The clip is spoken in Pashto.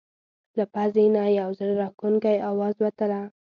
له پزې نه یو زړه راښکونکی اواز وتله.